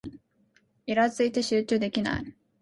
イラついて集中できない